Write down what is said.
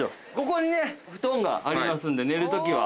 ここにね布団がありますんで寝る時は。